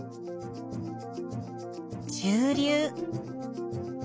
中流。